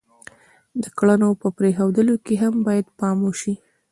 د کړنو په پرېښودلو کې هم باید پام وشي.